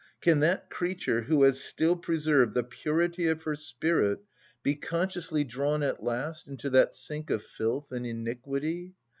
"Can that creature who has still preserved the purity of her spirit be consciously drawn at last into that sink of filth and iniquity?